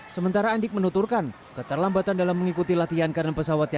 sementara andik menuturkan keterlambatan dalam mengikuti latihan karena pesawat